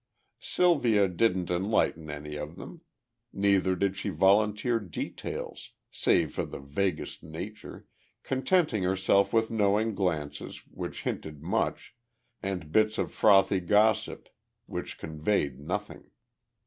Sylvia didn't enlighten any of them. Neither did she volunteer details, save of the vaguest nature, contenting herself with knowing glances which hinted much and bits of frothy gossip which conveyed nothing.